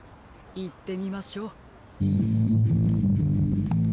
いってみましょう。